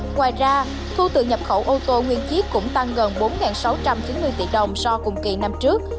ngoài ra thu từ nhập khẩu ô tô nguyên chiếc cũng tăng gần bốn sáu trăm chín mươi tỷ đồng so cùng kỳ năm trước